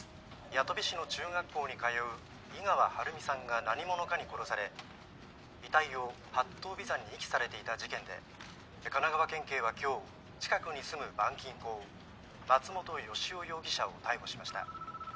八飛市の中学校に通う井川晴美さんが何者かに殺され遺体を八頭尾山に遺棄されていた事件で神奈川県警は今日近くに住む板金工松本良夫容疑者を逮捕しました。